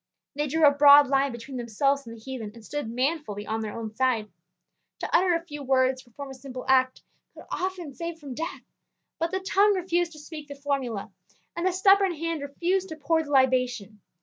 They drew a broad line between themselves and the heathen, and stood manfully on their own side. To utter a few words, to perform a simple act, could often save from death; but the tongue refused to speak the formula, and the stubborn hand refused to pour the libation.